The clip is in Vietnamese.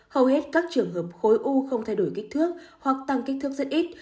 hầu hết các trường hợp khối u không thay đổi kích thước hoặc tăng kích thước rất ít